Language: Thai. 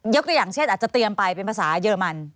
ตัวอย่างเช่นอาจจะเตรียมไปเป็นภาษาเยอรมัน